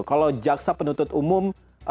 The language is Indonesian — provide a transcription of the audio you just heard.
kalau jaksa penuntut umum